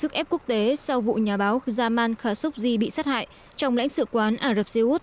sức ép quốc tế sau vụ nhà báo jamal khashoggi bị sát hại trong lãnh sự quán ả rập xê út